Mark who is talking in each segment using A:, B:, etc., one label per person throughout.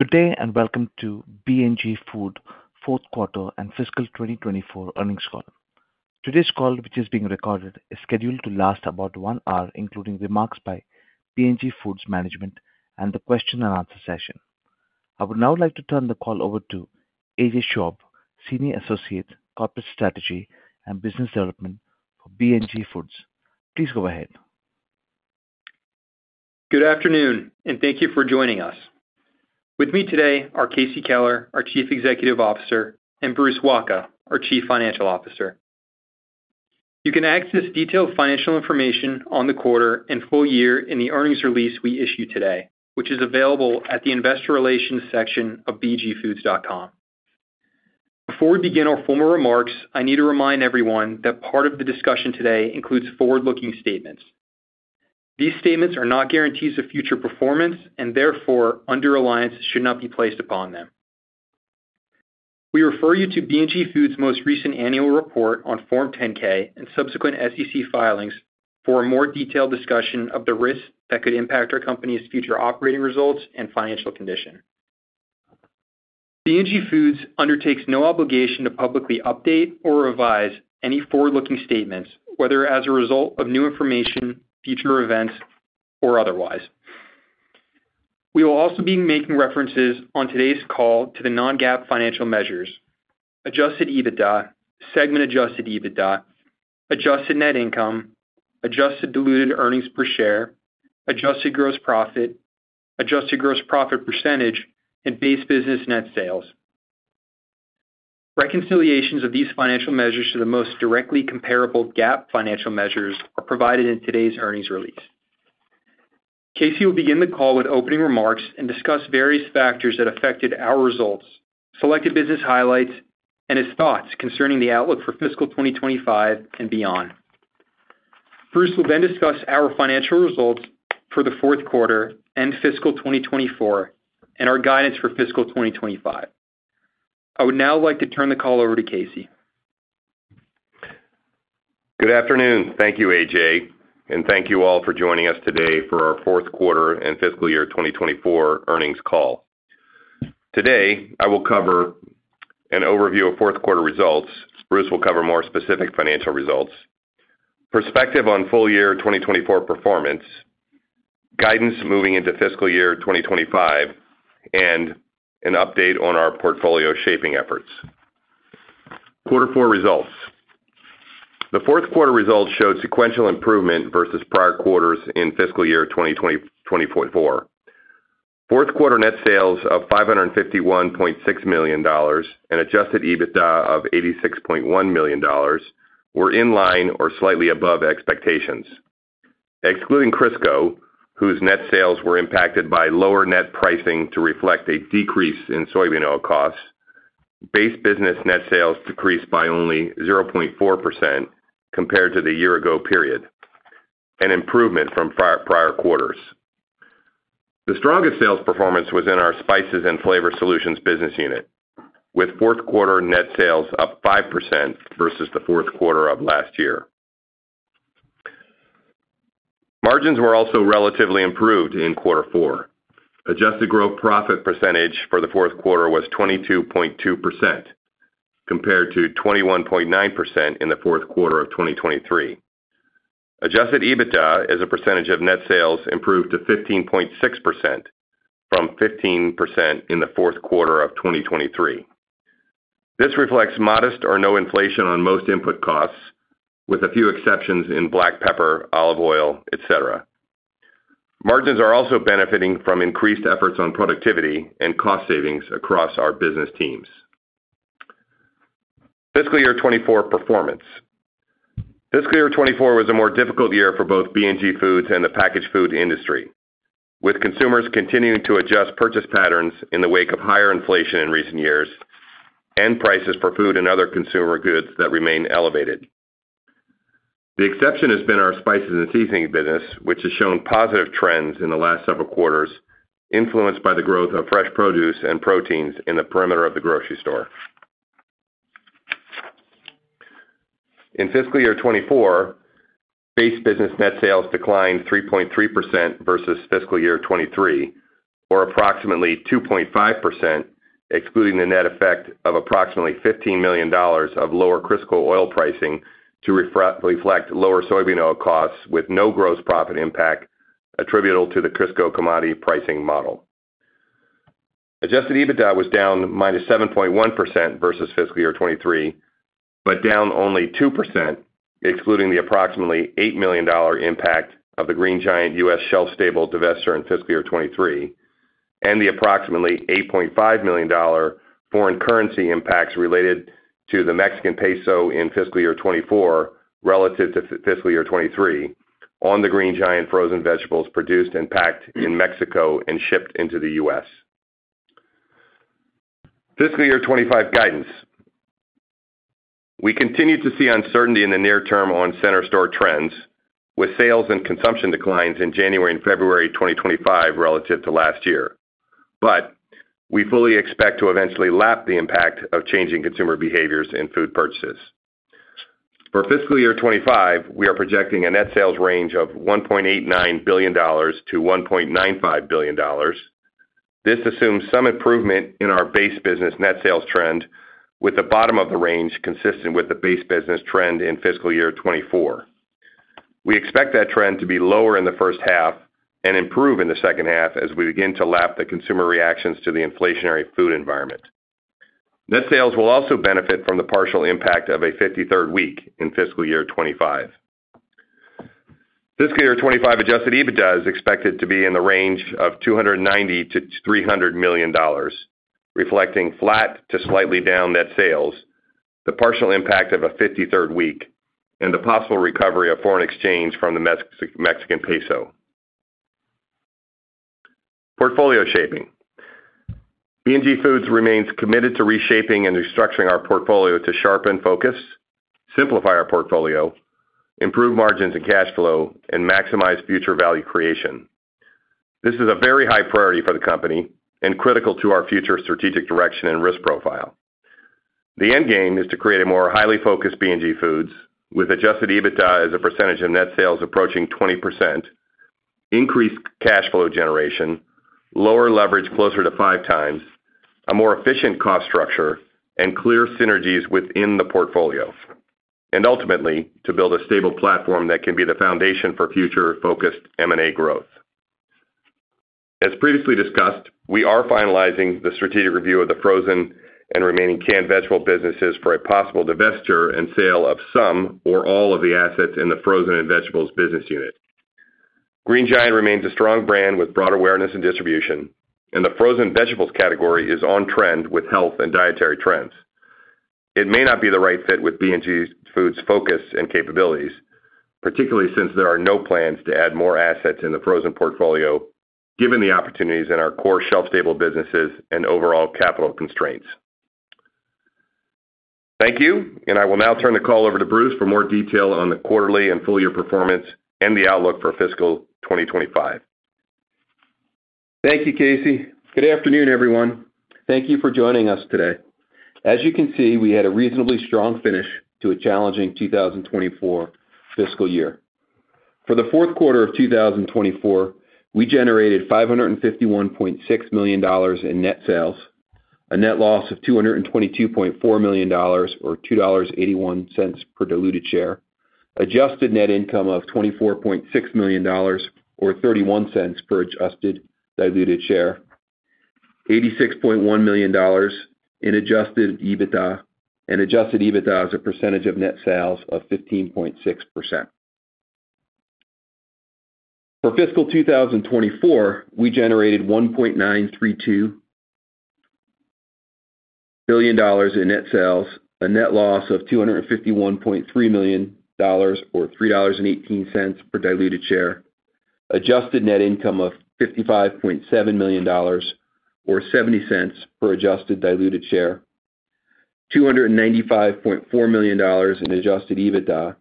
A: Good day and welcome to B&G Foods Fourth Quarter and Fiscal 2024 Earnings Call. Today's call, which is being recorded, is scheduled to last about one hour, including remarks by B&G Foods management and the question-and-answer session. I would now like to turn the call over to AJ Schwabe, Senior Associate, Corporate Strategy and Business Development for B&G Foods. Please go ahead.
B: Good afternoon, and thank you for joining us. With me today are Casey Keller, our Chief Executive Officer, and Bruce Wacha, our Chief Financial Officer. You can access detailed financial information on the quarter and full year in the earnings release we issue today, which is available at the Investor Relations section of bgfoods.com. Before we begin our formal remarks, I need to remind everyone that part of the discussion today includes forward-looking statements. These statements are not guarantees of future performance and, therefore, undue reliance should not be placed upon them. We refer you to B&G Foods most recent annual report on Form 10-K and subsequent SEC filings for a more detailed discussion of the risks that could impact our company's future operating results and financial condition. B&G Foods undertakes no obligation to publicly update or revise any forward-looking statements, whether as a result of new information, future events, or otherwise. We will also be making references on today's call to the non-GAAP financial measures: adjusted EBITDA, segment-adjusted EBITDA, adjusted net income, adjusted diluted earnings per share, adjusted gross profit, adjusted gross profit percentage, and base business net sales. Reconciliations of these financial measures to the most directly comparable GAAP financial measures are provided in today's earnings release. Casey will begin the call with opening remarks and discuss various factors that affected our results, selected business highlights, and his thoughts concerning the outlook for fiscal 2025 and beyond. Bruce will then discuss our financial results for the fourth quarter and fiscal 2024, and our guidance for fiscal 2025. I would now like to turn the call over to Casey.
C: Good afternoon. Thank you, AJ, and thank you all for joining us today for our fourth quarter and fiscal year 2024 earnings call. Today, I will cover an overview of fourth quarter results. Bruce will cover more specific financial results, perspective on full year 2024 performance, guidance moving into fiscal year 2025, and an update on our portfolio shaping efforts. Quarter four results. The fourth quarter results showed sequential improvement versus prior quarters in fiscal year 2024. Fourth quarter net sales of $551.6 million and adjusted EBITDA of $86.1 million were in line or slightly above expectations. Excluding Crisco, whose net sales were impacted by lower net pricing to reflect a decrease in soybean oil costs, base business net sales decreased by only 0.4% compared to the year-ago period, an improvement from prior quarters. The strongest sales performance was in our Spices & Flavor Solutions business unit, with fourth quarter net sales up 5% versus the fourth quarter of last year. Margins were also relatively improved in quarter four. Adjusted gross profit percentage for the fourth quarter was 22.2% compared to 21.9% in the fourth quarter of 2023. Adjusted EBITDA as a percentage of net sales improved to 15.6% from 15% in the fourth quarter of 2023. This reflects modest or no inflation on most input costs, with a few exceptions in black pepper, olive oil, etc. Margins are also benefiting from increased efforts on productivity and cost savings across our business teams. Fiscal year 2024 performance. Fiscal year 2024 was a more difficult year for both B&G Foods and the packaged food industry, with consumers continuing to adjust purchase patterns in the wake of higher inflation in recent years and prices for food and other consumer goods that remain elevated. The exception has been our spices and seasoning business, which has shown positive trends in the last several quarters, influenced by the growth of fresh produce and proteins in the perimeter of the grocery store. In fiscal year 2024, base business net sales declined 3.3% versus fiscal year 2023, or approximately 2.5%, excluding the net effect of approximately $15 million of lower Crisco oil pricing to reflect lower soybean oil costs with no gross profit impact attributable to the Crisco commodity pricing model. Adjusted EBITDA was down minus 7.1% versus fiscal year 2023, but down only 2%, excluding the approximately $8 million impact of the Green Giant U.S. shelf-stable divestiture in fiscal year 2023, and the approximately $8.5 million foreign currency impacts related to the Mexican peso in fiscal year 2024 relative to fiscal year 2023 on the Green Giant frozen vegetables produced and packed in Mexico and shipped into the U.S. Fiscal year 2025 guidance. We continue to see uncertainty in the near term on center store trends, with sales and consumption declines in January and February 2025 relative to last year, but we fully expect to eventually lap the impact of changing consumer behaviors in food purchases. For fiscal year 2025, we are projecting a net sales range of $1.89 billion-$1.95 billion. This assumes some improvement in our base business net sales trend, with the bottom of the range consistent with the base business trend in fiscal year 2024. We expect that trend to be lower in the first half and improve in the second half as we begin to lap the consumer reactions to the inflationary food environment. Net sales will also benefit from the partial impact of a 53rd week in fiscal year 2025. Fiscal year 2025 adjusted EBITDA is expected to be in the range of $290 million-$300 million, reflecting flat to slightly down net sales, the partial impact of a 53rd week, and the possible recovery of foreign exchange from the Mexican peso. Portfolio shaping. B&G Foods remains committed to reshaping and restructuring our portfolio to sharpen focus, simplify our portfolio, improve margins and cash flow, and maximize future value creation. This is a very high priority for the company and critical to our future strategic direction and risk profile. The end game is to create a more highly focused B&G Foods, with Adjusted EBITDA as a percentage of net sales approaching 20%, increased cash flow generation, lower leverage closer to five times, a more efficient cost structure, and clear synergies within the portfolio, and ultimately to build a stable platform that can be the foundation for future-focused M&A growth. As previously discussed, we are finalizing the strategic review of the frozen and remaining canned vegetable businesses for a possible divestiture and sale of some or all of the assets in the Frozen & Vegetables business unit. Green Giant remains a strong brand with broad awareness and distribution, and the frozen vegetables category is on trend with health and dietary trends. It may not be the right fit with B&G Foods focus and capabilities, particularly since there are no plans to add more assets in the frozen portfolio, given the opportunities in our core shelf-stable businesses and overall capital constraints. Thank you, and I will now turn the call over to Bruce for more detail on the quarterly and full year performance and the outlook for fiscal 2025.
D: Thank you, Casey. Good afternoon, everyone. Thank you for joining us today. As you can see, we had a reasonably strong finish to a challenging 2024 fiscal year. For the fourth quarter of 2024, we generated $551.6 million in net sales, a net loss of $222.4 million, or $2.81 per diluted share, Adjusted net income of $24.6 million, or $0.31 per Adjusted diluted share, $86.1 million in Adjusted EBITDA, and Adjusted EBITDA is a percentage of net sales of 15.6%. For fiscal 2024, we generated $1.932 billion in net sales, a net loss of $251.3 million, or $3.18 per diluted share, Adjusted net income of $55.7 million, or $0.70 per Adjusted diluted share, $295.4 million in Adjusted EBITDA,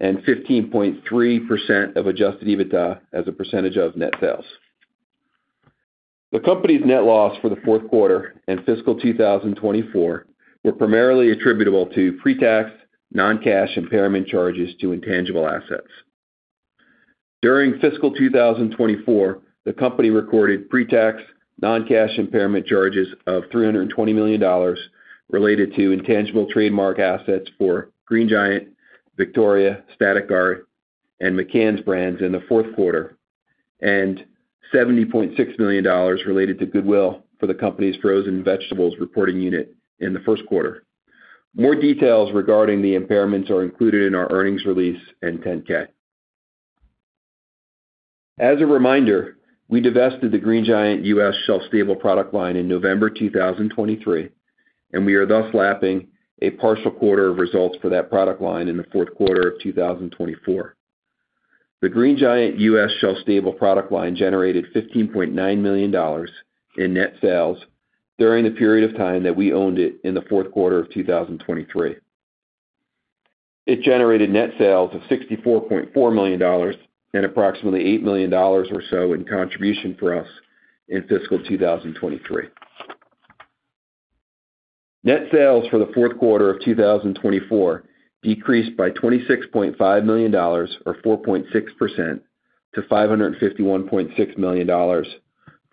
D: and 15.3% of Adjusted EBITDA as a percentage of net sales. The company's net loss for the fourth quarter and fiscal 2024 were primarily attributable to pre-tax, non-cash impairment charges to intangible assets. During fiscal 2024, the company recorded pre-tax, non-cash impairment charges of $320 million related to intangible trademark assets for Green Giant, Victoria, Static Guard, and McCann's Brands in the fourth quarter, and $70.6 million related to Goodwill for the company's frozen vegetables reporting unit in the first quarter. More details regarding the impairments are included in our earnings release and 10-K. As a reminder, we divested the Green Giant U.S. shelf-stable product line in November 2023, and we are thus lapping a partial quarter of results for that product line in the fourth quarter of 2024. The Green Giant U.S. shelf-stable product line generated $15.9 million in net sales during the period of time that we owned it in the fourth quarter of 2023. It generated net sales of $64.4 million and approximately $8 million or so in contribution for us in fiscal 2023. Net sales for the fourth quarter of 2024 decreased by $26.5 million, or 4.6%, to $551.6 million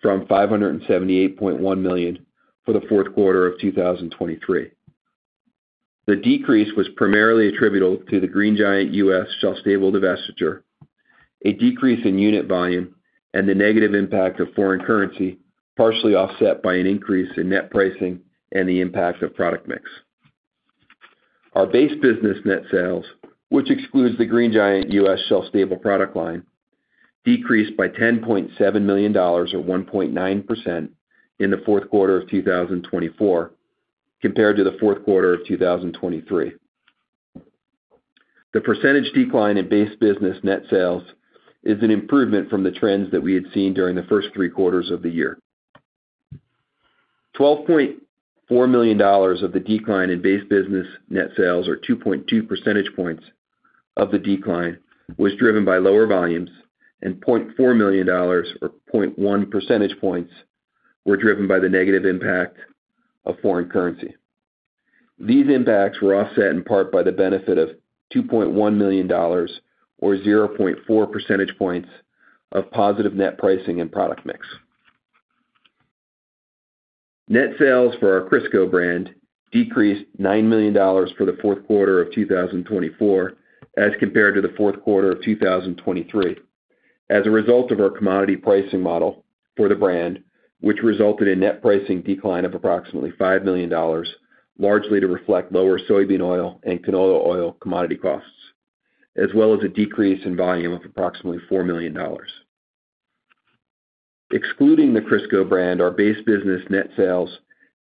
D: from $578.1 million for the fourth quarter of 2023. The decrease was primarily attributable to the Green Giant U.S. shelf-stable divestiture, a decrease in unit volume, and the negative impact of foreign currency, partially offset by an increase in net pricing and the impact of product mix. Our base business net sales, which excludes the Green Giant U.S. shelf-stable product line, decreased by $10.7 million, or 1.9%, in the fourth quarter of 2024 compared to the fourth quarter of 2023. The percentage decline in base business net sales is an improvement from the trends that we had seen during the first three quarters of the year. $12.4 million of the decline in base business net sales, or 2.2 percentage points of the decline, was driven by lower volumes, and $0.4 million, or 0.1 percentage points, were driven by the negative impact of foreign currency. These impacts were offset in part by the benefit of $2.1 million, or 0.4 percentage points, of positive net pricing and product mix. Net sales for our Crisco brand decreased $9 million for the fourth quarter of 2024 as compared to the fourth quarter of 2023, as a result of our commodity pricing model for the brand, which resulted in net pricing decline of approximately $5 million, largely to reflect lower soybean oil and canola oil commodity costs, as well as a decrease in volume of approximately $4 million. Excluding the Crisco brand, our base business net sales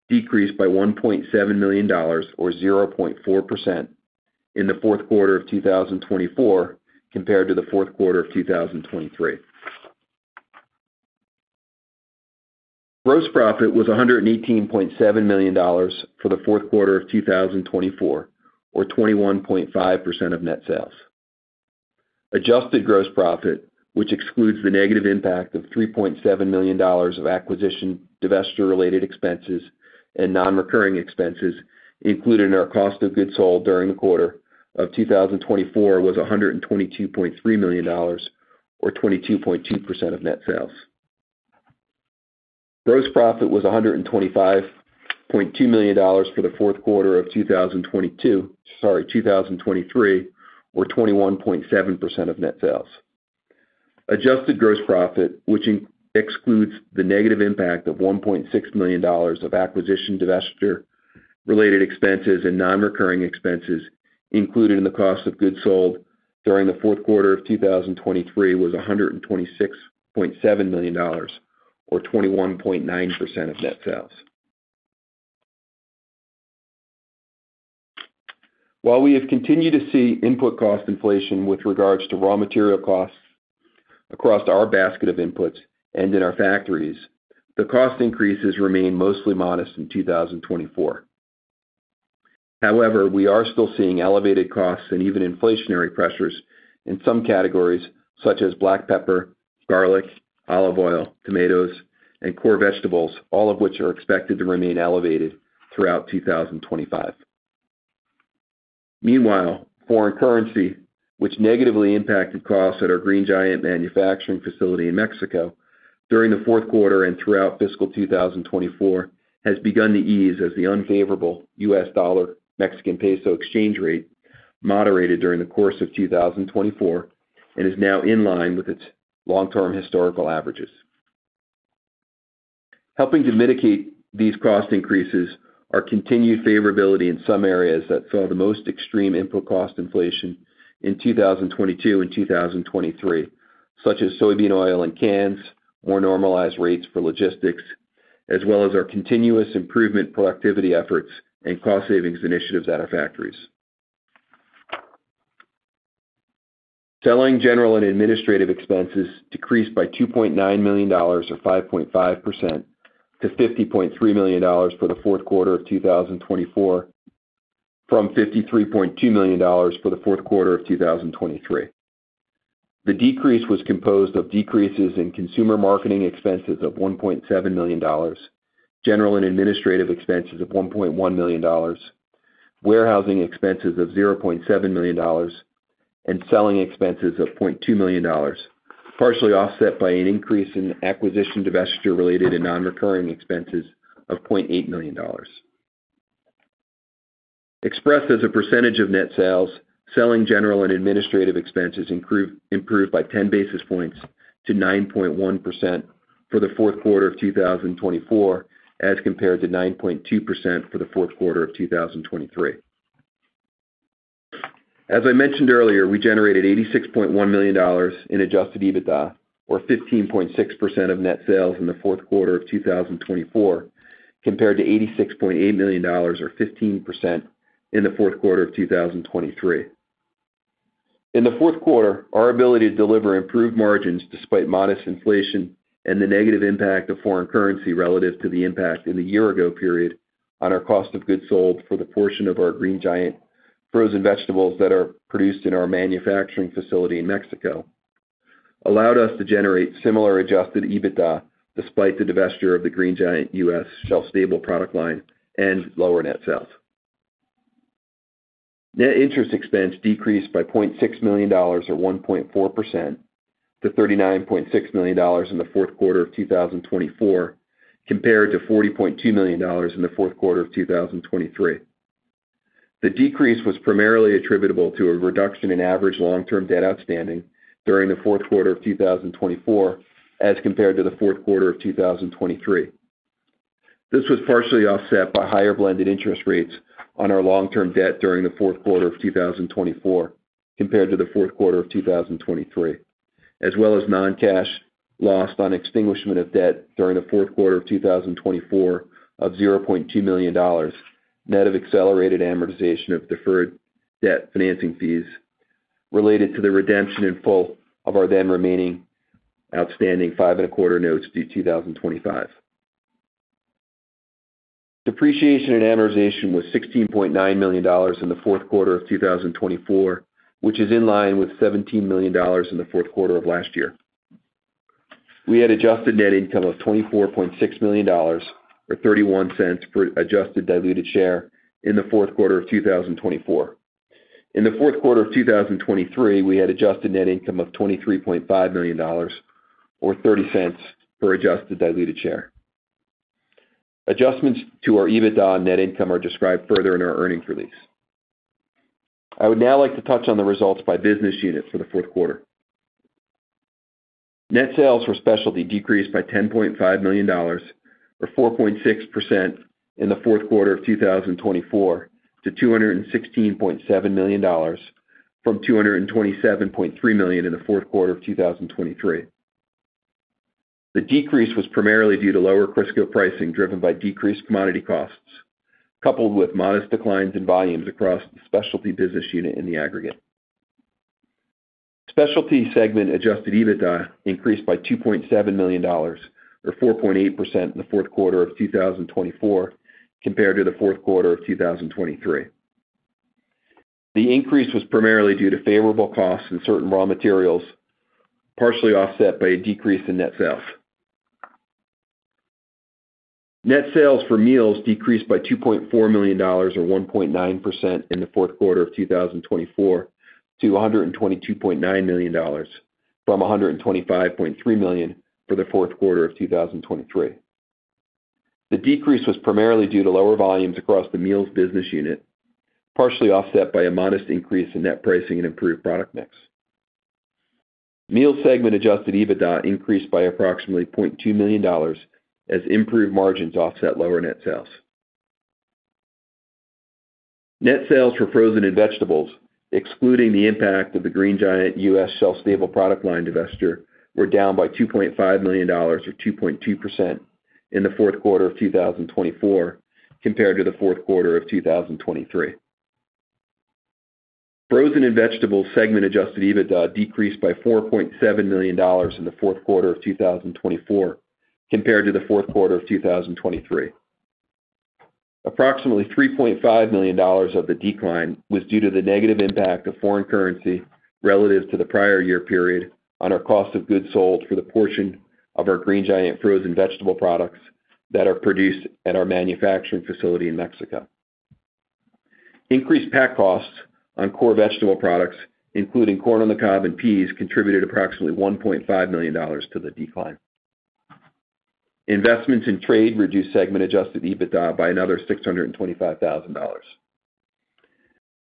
D: decreased by $1.7 million, or 0.4%, in the fourth quarter of 2024 compared to the fourth quarter of 2023. Gross profit was $118.7 million for the fourth quarter of 2024, or 21.5% of net sales. Adjusted gross profit, which excludes the negative impact of $3.7 million of acquisition, divestiture-related expenses, and non-recurring expenses included in our cost of goods sold during the quarter of 2024, was $122.3 million, or 22.2% of net sales. Gross profit was $125.2 million for the fourth quarter of 2023, or 21.7% of net sales. Adjusted gross profit, which excludes the negative impact of $1.6 million of acquisition, divestiture-related expenses, and non-recurring expenses included in the cost of goods sold during the fourth quarter of 2023, was $126.7 million, or 21.9% of net sales. While we have continued to see input cost inflation with regards to raw material costs across our basket of inputs and in our factories, the cost increases remain mostly modest in 2024. However, we are still seeing elevated costs and even inflationary pressures in some categories, such as black pepper, garlic, olive oil, tomatoes, and core vegetables, all of which are expected to remain elevated throughout 2025. Meanwhile, foreign currency, which negatively impacted costs at our Green Giant manufacturing facility in Mexico during the fourth quarter and throughout fiscal 2024, has begun to ease as the unfavorable U.S. dollar-Mexican peso exchange rate moderated during the course of 2024 and is now in line with its long-term historical averages. Helping to mitigate these cost increases are continued favorability in some areas that saw the most extreme input cost inflation in 2022 and 2023, such as soybean oil and cans, more normalized rates for logistics, as well as our continuous improvement productivity efforts and cost savings initiatives at our factories. Selling, general, and administrative expenses decreased by $2.9 million, or 5.5%, to $50.3 million for the fourth quarter of 2024 from $53.2 million for the fourth quarter of 2023. The decrease was composed of decreases in consumer marketing expenses of $1.7 million, general and administrative expenses of $1.1 million, warehousing expenses of $0.7 million, and selling expenses of $0.2 million, partially offset by an increase in acquisition, divestiture-related, and non-recurring expenses of $0.8 million. Expressed as a percentage of net sales, selling general and administrative expenses improved by 10 basis points to 9.1% for the fourth quarter of 2024 as compared to 9.2% for the fourth quarter of 2023. As I mentioned earlier, we generated $86.1 million in adjusted EBITDA, or 15.6% of net sales in the fourth quarter of 2024, compared to $86.8 million, or 15%, in the fourth quarter of 2023. In the fourth quarter, our ability to deliver improved margins despite modest inflation and the negative impact of foreign currency relative to the impact in the year-ago period on our cost of goods sold for the portion of our Green Giant frozen vegetables that are produced in our manufacturing facility in Mexico allowed us to generate similar adjusted EBITDA despite the divestiture of the Green Giant U.S. shelf-stable product line and lower net sales. Net interest expense decreased by $0.6 million, or 1.4%, to $39.6 million in the fourth quarter of 2024 compared to $40.2 million in the fourth quarter of 2023. The decrease was primarily attributable to a reduction in average long-term debt outstanding during the fourth quarter of 2024 as compared to the fourth quarter of 2023. This was partially offset by higher blended interest rates on our long-term debt during the fourth quarter of 2024 compared to the fourth quarter of 2023, as well as non-cash loss on extinguishment of debt during the fourth quarter of 2024 of $0.2 million net of accelerated amortization of deferred debt financing fees related to the redemption in full of our then remaining outstanding five and a quarter notes due 2025. Depreciation and amortization was $16.9 million in the fourth quarter of 2024, which is in line with $17 million in the fourth quarter of last year. We had adjusted net income of $24.6 million, or $0.31 per adjusted diluted share in the fourth quarter of 2024. In the fourth quarter of 2023, we had adjusted net income of $23.5 million, or $0.30 per adjusted diluted share. Adjustments to our EBITDA and net income are described further in our earnings release. I would now like to touch on the results by business unit for the fourth quarter. Net sales for Specialty decreased by $10.5 million, or 4.6%, in the fourth quarter of 2024 to $216.7 million from $227.3 million in the fourth quarter of 2023. The decrease was primarily due to lower Crisco pricing driven by decreased commodity costs, coupled with modest declines in volumes across the Specialty business unit in the aggregate. Specialty segment adjusted EBITDA increased by $2.7 million, or 4.8%, in the fourth quarter of 2024 compared to the fourth quarter of 2023. The increase was primarily due to favorable costs in certain raw materials, partially offset by a decrease in net sales. Net sales for Meals decreased by $2.4 million, or 1.9%, in the fourth quarter of 2024 to $122.9 million from $125.3 million for the fourth quarter of 2023. The decrease was primarily due to lower volumes across the Meals business unit, partially offset by a modest increase in net pricing and improved product mix. Meals segment adjusted EBITDA increased by approximately $0.2 million as improved margins offset lower net sales. Net sales for Frozen & Vegetables, excluding the impact of the Green Giant U.S. shelf-stable product line divestiture, were down by $2.5 million, or 2.2%, in the fourth quarter of 2024 compared to the fourth quarter of 2023. Frozen & Vegetables segment-adjusted Adjusted EBITDA decreased by $4.7 million in the fourth quarter of 2024 compared to the fourth quarter of 2023. Approximately $3.5 million of the decline was due to the negative impact of foreign currency relative to the prior year period on our cost of goods sold for the portion of our Green Giant frozen vegetable products that are produced at our manufacturing facility in Mexico. Increased pack costs on core vegetable products, including corn on the cob and peas, contributed approximately $1.5 million to the decline. Investments in trade reduced segment-adjusted EBITDA by another $625,000.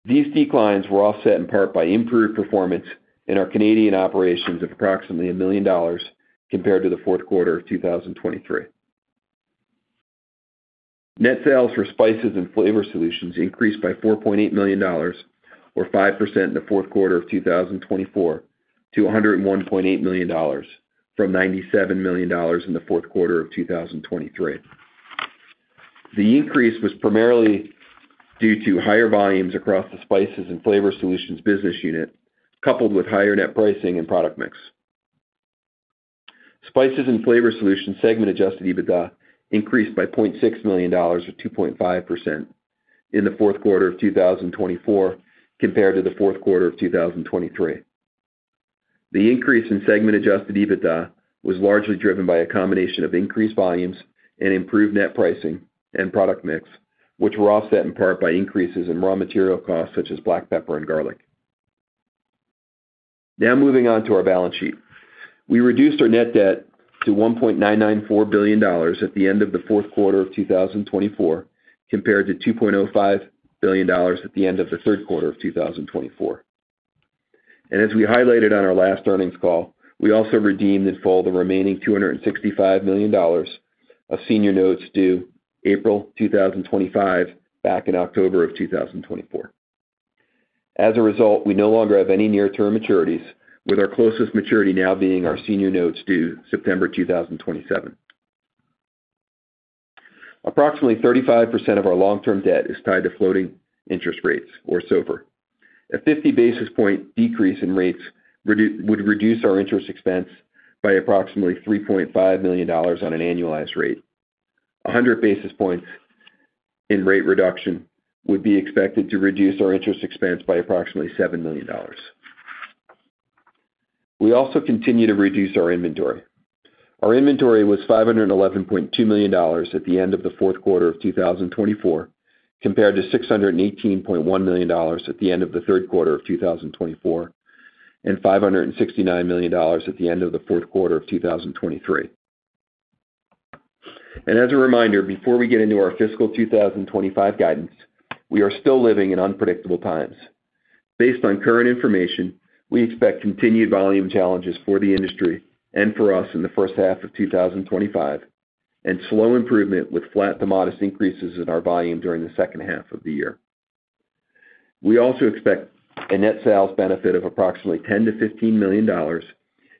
D: These declines were offset in part by improved performance in our Canadian operations of approximately $1 million compared to the fourth quarter of 2023. Net sales for Spices & Flavor Solutions increased by $4.8 million, or 5%, in the fourth quarter of 2024 to $101.8 million from $97 million in the fourth quarter of 2023. The increase was primarily due to higher volumes across the Spices & Flavor Solutions business unit, coupled with higher net pricing and product mix. Spices & Flavor Solutions segment-adjusted EBITDA increased by $0.6 million, or 2.5%, in the fourth quarter of 2024 compared to the fourth quarter of 2023. The increase in segment-adjusted EBITDA was largely driven by a combination of increased volumes and improved net pricing and product mix, which were offset in part by increases in raw material costs such as black pepper and garlic. Now moving on to our balance sheet. We reduced our net debt to $1.994 billion at the end of the fourth quarter of 2024 compared to $2.05 billion at the end of the third quarter of 2024. And as we highlighted on our last earnings call, we also redeemed in full the remaining $265 million of senior notes due April 2025 back in October of 2024. As a result, we no longer have any near-term maturities, with our closest maturity now being our senior notes due September 2027. Approximately 35% of our long-term debt is tied to floating interest rates, or SOFR. A 50 basis points decrease in rates would reduce our interest expense by approximately $3.5 million on an annualized rate. 100 basis points in rate reduction would be expected to reduce our interest expense by approximately $7 million. We also continue to reduce our inventory. Our inventory was $511.2 million at the end of the fourth quarter of 2024 compared to $618.1 million at the end of the third quarter of 2024 and $569 million at the end of the fourth quarter of 2023. And as a reminder, before we get into our fiscal 2025 guidance, we are still living in unpredictable times. Based on current information, we expect continued volume challenges for the industry and for us in the first half of 2025 and slow improvement with flat to modest increases in our volume during the second half of the year. We also expect a net sales benefit of approximately $10-$15 million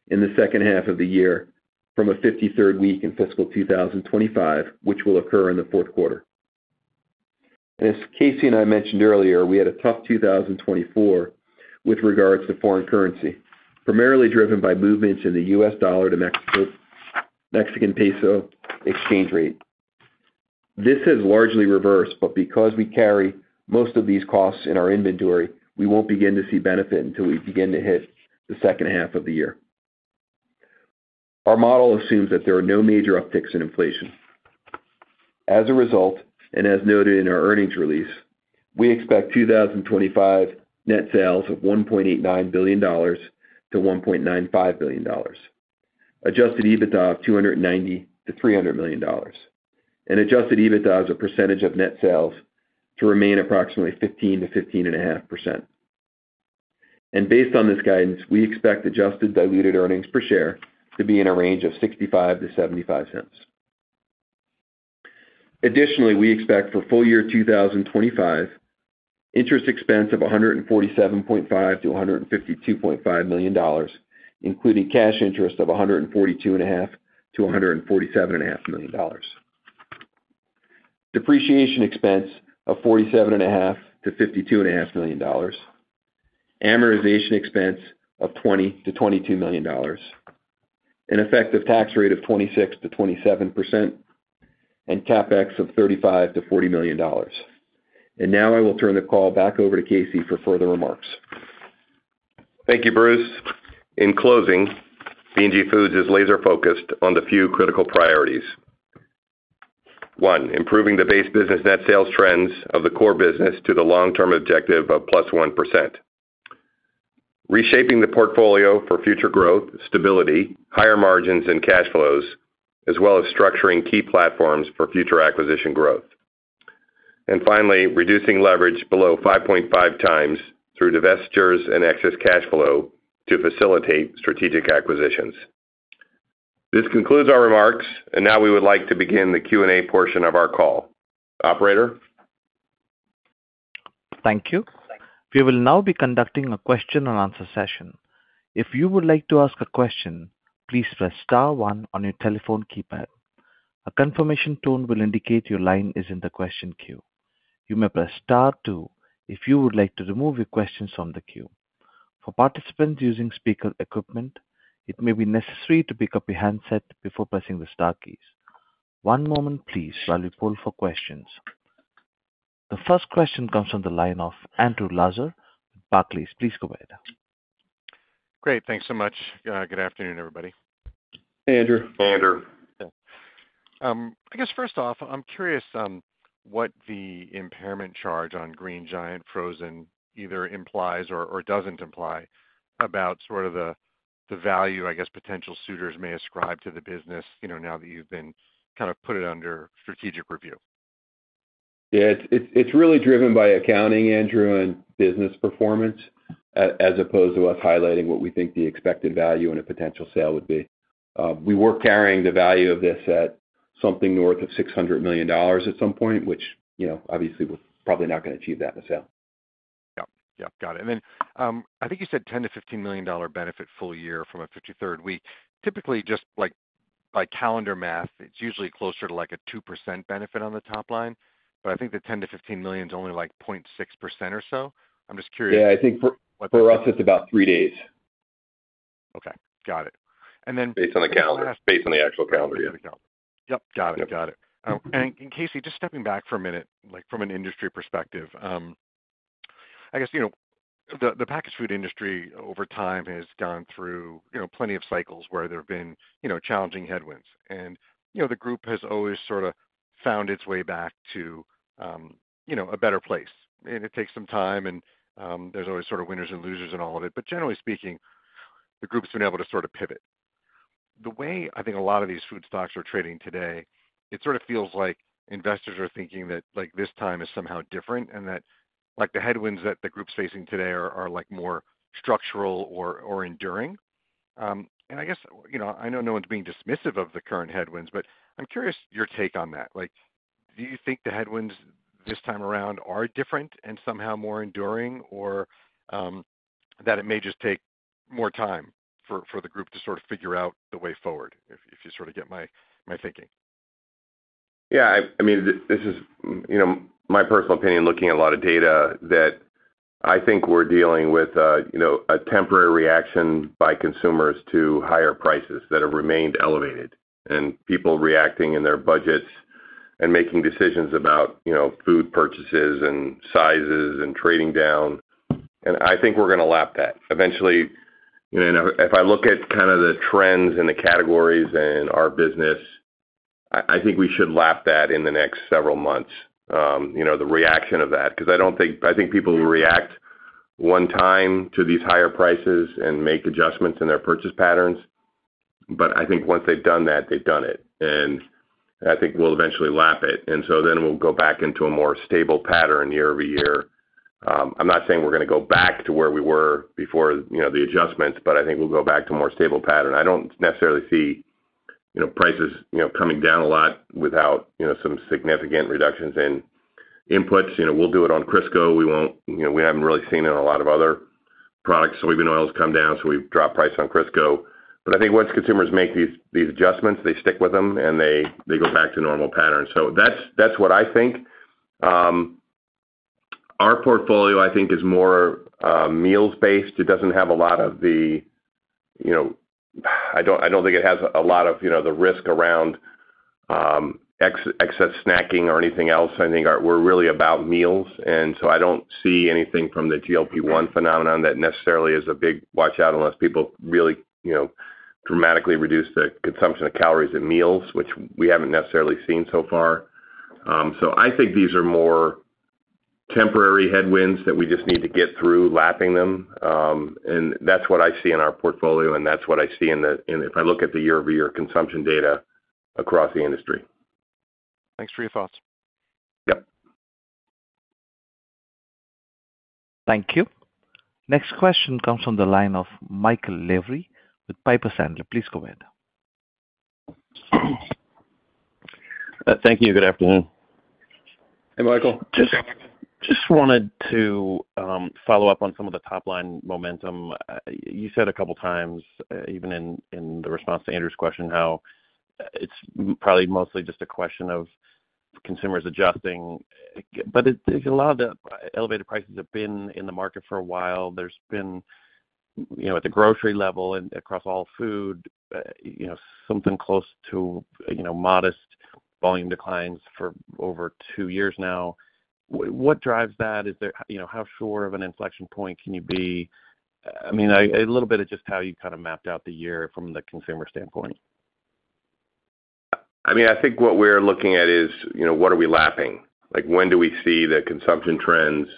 D: in the second half of the year from a 53rd week in fiscal 2025, which will occur in the fourth quarter. As Casey and I mentioned earlier, we had a tough 2024 with regards to foreign currency, primarily driven by movements in the U.S. dollar to Mexican peso exchange rate. This has largely reversed, but because we carry most of these costs in our inventory, we won't begin to see benefit until we begin to hit the second half of the year. Our model assumes that there are no major upticks in inflation. As a result, and as noted in our earnings release, we expect 2025 net sales of $1.89 billion-$1.95 billion, Adjusted EBITDA of $290-$300 million, and Adjusted EBITDA as a percentage of net sales to remain approximately 15%-15.5%. Based on this guidance, we expect adjusted diluted earnings per share to be in a range of $0.65-$0.75. Additionally, we expect for full year 2025, interest expense of $147.5 million-$152.5 million, including cash interest of $142.5 million-$147.5 million, depreciation expense of $47.5 million-$52.5 million, amortization expense of $20 million-$22 million, an effective tax rate of 26%-27%, and CapEx of $35 million-$40 million. And now I will turn the call back over to Casey for further remarks.
C: Thank you, Bruce. In closing, B&G Foods is laser-focused on the few critical priorities. One, improving the base business net sales trends of the core business to the long-term objective of +1%. Reshaping the portfolio for future growth, stability, higher margins, and cash flows, as well as structuring key platforms for future acquisition growth. And finally, reducing leverage below 5.5 times through divestitures and excess cash flow to facilitate strategic acquisitions. This concludes our remarks, and now we would like to begin the Q&A portion of our call. Operator?
A: Thank you. We will now be conducting a question-and-answer session. If you would like to ask a question, please press star one on your telephone keypad. A confirmation tone will indicate your line is in the question queue. You may press star two if you would like to remove your questions from the queue. For participants using speaker equipment, it may be necessary to pick up your handset before pressing the Star keys. One moment, please, while we poll for questions. The first question comes from the line of Andrew Lazar with Barclays. Please go ahead.
E: Great. Thanks so much. Good afternoon, everybody.
C: Hey, Andrew.
D: Hey, Andrew.
E: I guess first off, I'm curious what the impairment charge on Green Giant frozen either implies or doesn't imply about sort of the value, I guess, potential suitors may ascribe to the business now that you've kind of put it under strategic review?
D: Yeah. It's really driven by accounting, Andrew, and business performance as opposed to us highlighting what we think the expected value and a potential sale would be. We were carrying the value of this at something north of $600 million at some point, which obviously we're probably not going to achieve that in a sale.
E: Yeah. Yeah. Got it. And then I think you said $10 million-$15 million benefit full year from a 53rd week. Typically, just by calendar math, it's usually closer to a 2% benefit on the top line. But I think the $10 million-$15 million is only like 0.6% or so. I'm just curious.
D: Yeah. I think for us, it's about three days.
E: Okay. Got it.
C: And then based on the calendar. Based on the actual calendar.
E: Yeah. On the calendar. Yep. Got it. Got it. And Casey, just stepping back for a minute, from an industry perspective, I guess the packaged food industry over time has gone through plenty of cycles where there have been challenging headwinds. And the group has always sort of found its way back to a better place. And it takes some time, and there's always sort of winners and losers in all of it. But generally speaking, the group's been able to sort of pivot. The way I think a lot of these food stocks are trading today, it sort of feels like investors are thinking that this time is somehow different and that the headwinds that the group's facing today are more structural or enduring. And I guess I know no one's being dismissive of the current headwinds, but I'm curious your take on that. Do you think the headwinds this time around are different and somehow more enduring, or that it may just take more time for the group to sort of figure out the way forward, if you sort of get my thinking?
C: Yeah. I mean, this is my personal opinion, looking at a lot of data, that I think we're dealing with a temporary reaction by consumers to higher prices that have remained elevated and people reacting in their budgets and making decisions about food purchases and sizes and trading down. And I think we're going to lap that eventually. And if I look at kind of the trends and the categories in our business, I think we should lap that in the next several months, the reaction of that. Because I think people will react one time to these higher prices and make adjustments in their purchase patterns. But I think once they've done that, they've done it. And I think we'll eventually lap it. And so then we'll go back into a more stable pattern year over year. I'm not saying we're going to go back to where we were before the adjustments, but I think we'll go back to a more stable pattern. I don't necessarily see prices coming down a lot without some significant reductions in inputs. We'll do it on Crisco. We haven't really seen it in a lot of other products. Soybean oil has come down, so we've dropped price on Crisco, but I think once consumers make these adjustments, they stick with them and they go back to normal patterns, so that's what I think. Our portfolio, I think, is more meals-based. It doesn't have a lot of the, I don't think it has a lot of the risk around excess snacking or anything else. I think we're really about meals, and so I don't see anything from the GLP-1 phenomenon that necessarily is a big watch-out unless people really dramatically reduce the consumption of calories in meals, which we haven't necessarily seen so far, so I think these are more temporary headwinds that we just need to get through lapping them, and that's what I see in our portfolio, and that's what I see in the, if I look at the year-over-year consumption data across the industry.
E: Thanks for your thoughts.
C: Yep.
A: Thank you. Next question comes from the line of Michael Lavery with Piper Sandler. Please go ahead.
F: Thank you. Good afternoon.
C: Hey, Michael.
F: Just wanted to follow up on some of the top-line momentum. You said a couple of times, even in the response to Andrew's question, how it's probably mostly just a question of consumers adjusting. But a lot of the elevated prices have been in the market for a while. There's been, at the grocery level and across all food, something close to modest volume declines for over two years now. What drives that? How sure of an inflection point can you be? I mean, a little bit of just how you kind of mapped out the year from the consumer standpoint.
D: I mean, I think what we're looking at is, what are we lapping. When do we see the consumption trends.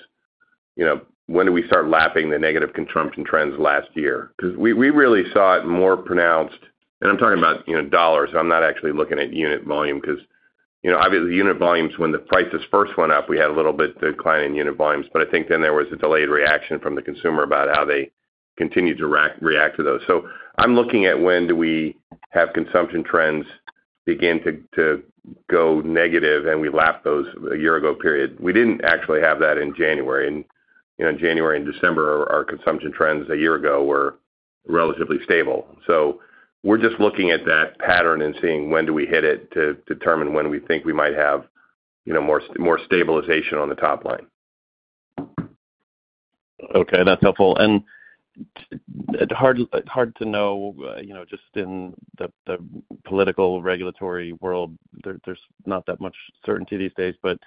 D: When do we start lapping the negative consumption trends last year. Because we really saw it more pronounced, and I'm talking about dollars, so I'm not actually looking at unit volume because obviously, unit volumes, when the prices first went up, we had a little bit of decline in unit volumes, but I think then there was a delayed reaction from the consumer about how they continued to react to those, so I'm looking at when do we have consumption trends begin to go negative and we lap those a year ago period. We didn't actually have that in January. In January and December, our consumption trends a year ago were relatively stable, so we're just looking at that pattern and seeing when do we hit it to determine when we think we might have more stabilization on the top line.
F: Okay. That's helpful. And hard to know, just in the political regulatory world, there's not that much certainty these days. But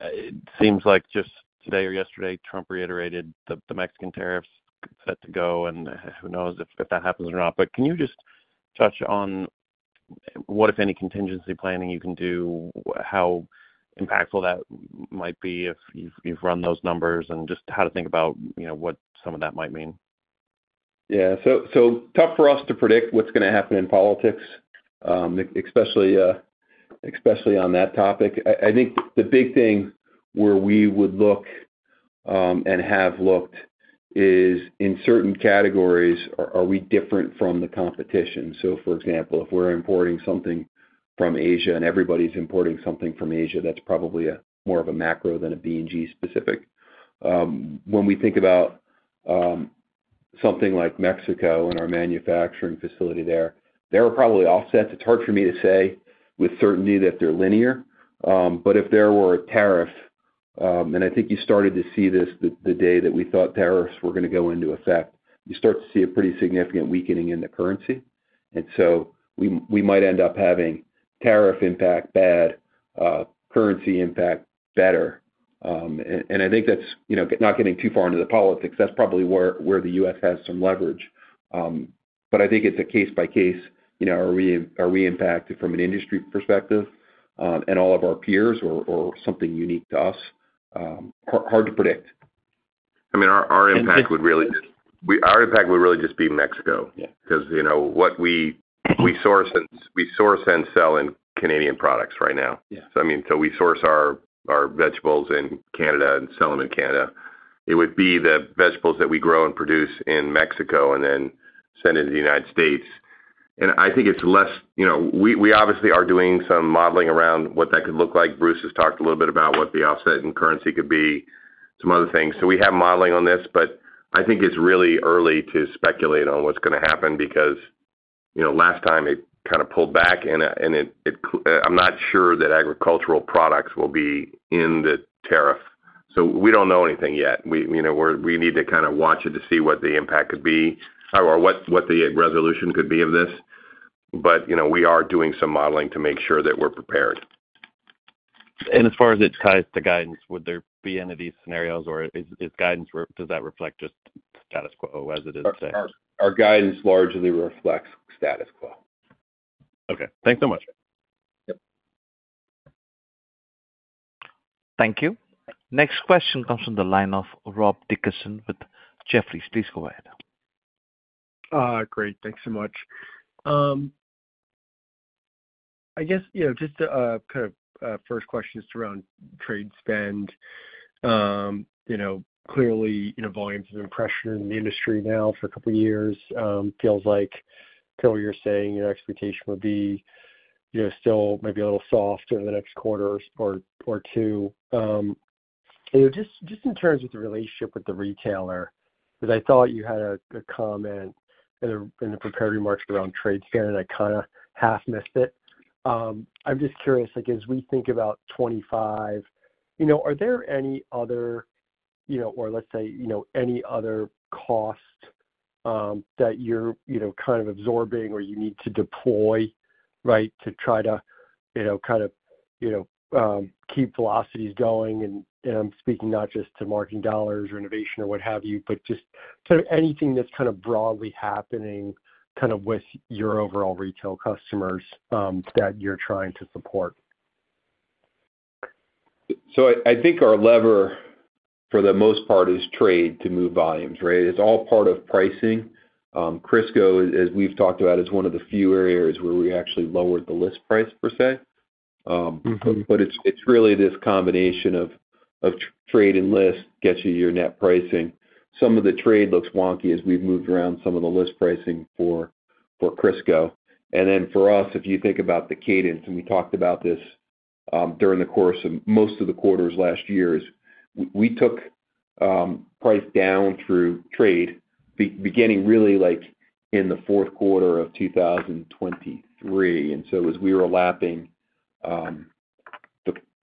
F: it seems like just today or yesterday, Trump reiterated the Mexican tariffs set to go, and who knows if that happens or not. But can you just touch on what, if any, contingency planning you can do, how impactful that might be if you've run those numbers, and just how to think about what some of that might mean?
D: Yeah. So tough for us to predict what's going to happen in politics, especially on that topic. I think the big thing where we would look and have looked is in certain categories, are we different from the competition. So for example, if we're importing something from Asia and everybody's importing something from Asia, that's probably more of a macro than a B&G specific. When we think about something like Mexico and our manufacturing facility there, there are probably offsets. It's hard for me to say with certainty that they're linear. But if there were a tariff, and I think you started to see this the day that we thought tariffs were going to go into effect, you start to see a pretty significant weakening in the currency. And so we might end up having tariff impact bad, currency impact better. And I think that's not getting too far into the politics. That's probably where the U.S. has some leverage. But I think it's a case-by-case are we impacted from an industry perspective and all of our peers or something unique to us. Hard to predict.
C: I mean, our impact would really just be Mexico because what we source and sell in Canadian products right now. So I mean, so we source our vegetables in Canada and sell them in Canada. It would be the vegetables that we grow and produce in Mexico and then send it to the United States. And I think it's less. We obviously are doing some modeling around what that could look like. Bruce has talked a little bit about what the offset in currency could be, some other things. So we have modeling on this, but I think it's really early to speculate on what's going to happen because last time it kind of pulled back, and I'm not sure that agricultural products will be in the tariff. So we don't know anything yet. We need to kind of watch it to see what the impact could be or what the resolution could be of this. But we are doing some modeling to make sure that we're prepared.
F: And as far as it ties to guidance, would there be any of these scenarios, or does that reflect just status quo as it is today?
C: Our guidance largely reflects status quo.
F: Okay. Thanks so much.
C: Yep.
A: Thank you. Next question comes from the line of Rob Dickerson with Jefferies. Please go ahead.
G: Great. Thanks so much. I guess just kind of first question is around trade spend. Clearly, volumes have been pressuring the industry now for a couple of years. Feels like kind of what you're saying, your expectation would be still maybe a little soft over the next quarter or two. Just in terms of the relationship with the retailer, because I thought you had a comment in the prepared remarks around trade spend, and I kind of half missed it. I'm just curious, as we think about 2025, are there any other—or let's say any other cost that you're kind of absorbing or you need to deploy, right, to try to kind of keep velocities going, and I'm speaking not just to marketing dollars or innovation or what have you, but just kind of anything that's kind of broadly happening kind of with your overall retail customers that you're trying to support?
D: So I think our lever, for the most part, is trade to move volumes, right? It's all part of pricing. Crisco, as we've talked about, is one of the few areas where we actually lowered the list price per se, but it's really this combination of trade and list gets you your net pricing. Some of the trade looks wonky as we've moved around some of the list pricing for Crisco. And then for us, if you think about the cadence, and we talked about this during the course of most of the quarters last year, we took price down through trade, beginning really in the fourth quarter of 2023. And so as we were lapping